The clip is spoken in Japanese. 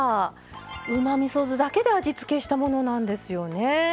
うまみそ酢だけで味付けしたものなんですよね。